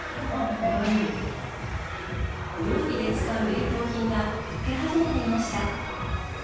料理で使う冷凍品が溶け始めていました。